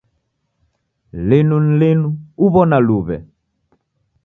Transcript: Linu ni linu uw'ona luw'e.